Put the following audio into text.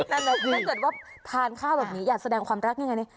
แต่ถ้าเกิดว่าทานข้าวแบบนี้อยากแสดงความรักยังไงเนี่ย